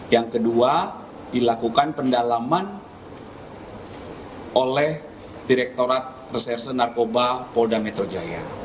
yang kedua dilakukan pendalaman oleh direkturat reserse narkoba polda metro jaya